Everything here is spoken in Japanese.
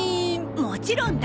「もちろん」だろ！